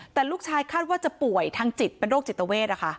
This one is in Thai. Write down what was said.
แต่ลูกชายคาดว่าจะป่วยทางจิตเป็นโรคจิตเวท